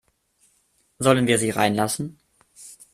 Sollen wir sie reinlassen?